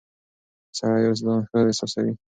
سړی اوس ځان ښه احساسوي.